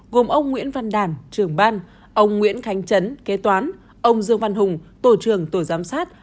gồm ông nguyễn văn đàn trưởng ban ông nguyễn khánh chấn kế toán ông dương văn hùng tổ trưởng tổ giám sát